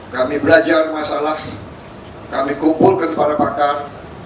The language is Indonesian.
kami belajar masalah kami kumpulkan para pakar